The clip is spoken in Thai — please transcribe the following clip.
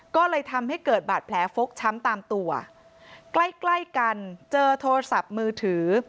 ก็เลยทำให้เกิดบาดแผลฟกช้ำตามตัวใกล้ใกล้กันเจอโทรศัพท์มือถือ